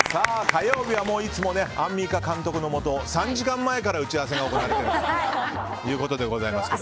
火曜日はいつもアンミカ監督のもと３時間前から打ち合わせが行われているということですが。